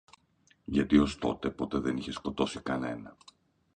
Γιατί ως τότε, ποτέ δεν είχε σκοτώσει κανένα